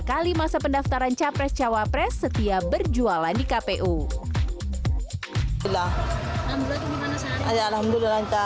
kali masa pendaftaran capres cawapres setiap berjualan di kpu